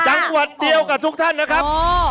จังหวัดเดียวกับทุกท่านนะครับ